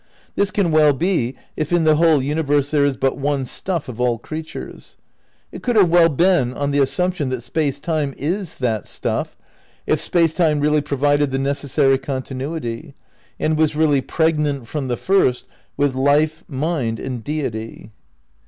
This can well be if in the whole universe there is but one stuff of all creatures. It could have well been on the assumption that Space Time is that stuff, if Space Time really provided the necessary con tinuity, and was really pregnant from the first with life, mind and Deity.